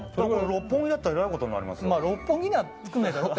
六本木だったらえらいことになりますね。